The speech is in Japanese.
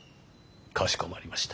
かしこまりました。